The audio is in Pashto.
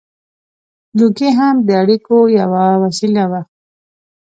• لوګی هم د اړیکو یوه وسیله وه.